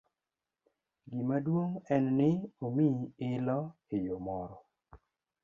Gima duong' en ni omiyi ilo eyo moro.